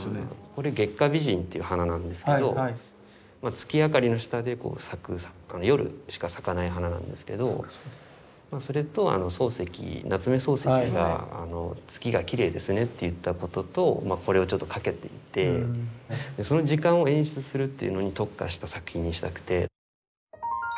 これ月下美人っていう花なんですけど月明かりの下で夜しか咲かない花なんですけどそれと夏目漱石が「月がきれいですね」って言ったこととこれをちょっと掛けていてその時間を演出するっていうのに特化した作品にしたくて。